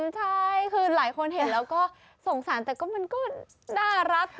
ใช่คือหลายคนเห็นแล้วก็สงสารแต่ก็มันก็น่ารัก